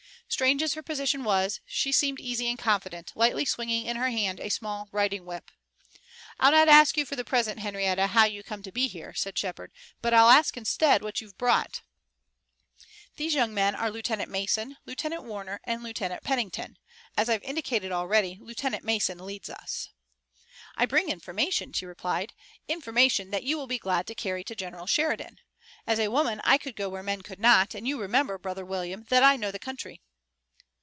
Strange as her position was, she seemed easy and confident, lightly swinging in her hand a small riding whip. "I'll not ask you for the present, Henrietta, how you come to be here," said Shepard, "but I'll ask instead what you've brought. These young men are Lieutenant Mason, Lieutenant Warner and Lieutenant Pennington. As I've indicated already, Lieutenant Mason leads us." "I bring information," she replied, "information that you will be glad to carry to General Sheridan. As a woman I could go where men could not, and you remember, Brother William, that I know the country."